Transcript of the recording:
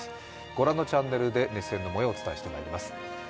ご覧のチャンネルで熱戦の模様を伝えてまいります。